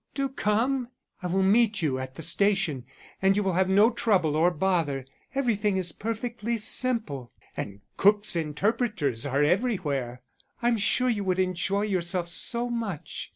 Do come. I will meet you at the station, and you will have no trouble or bother everything is perfectly simple, and Cook's Interpreters are everywhere. I'm sure you would enjoy yourself so much.